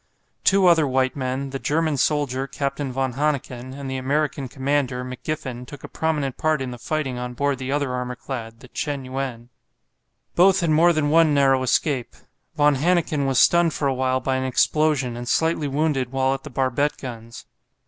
Two other white men, the German soldier, Captain von Hanneken, and the American commander, McGiffen, took a prominent part in the fighting on board the other armour clad, the "Chen yuen." Both had more than one narrow escape. Von Hanneken was stunned for a while by an explosion, and slightly wounded while at the barbette guns.